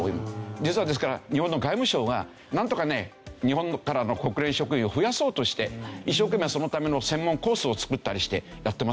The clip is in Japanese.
実はですから日本の外務省がなんとかね日本からの国連職員を増やそうとして一生懸命そのための専門コースを作ったりしてやってますけどね。